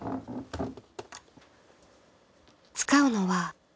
使うのは。